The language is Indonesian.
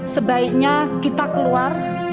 sebaiknya kita keluar